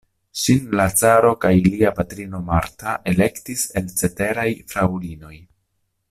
Ŝin la caro kaj lia patrino Marta elektis el ceteraj fraŭlinoj.